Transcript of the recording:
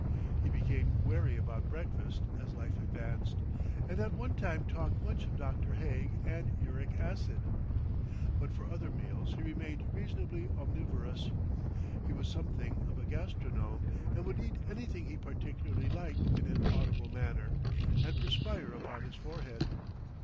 He became wary about breakfast as life advanced, and at one time talked much of Dr. Haig and uric acid. But for other meals he remained reasonably omnivorous. He was something of a gastronome, and would eat anything he particularly liked in an audible manner, and perspire upon his forehead.